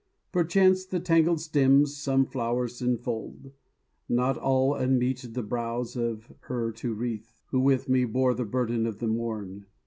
_ _Perchance the tangled stems some flowers enfold, Not all unmeet the brows of her to wreath, Who with me bore the burden of the morn.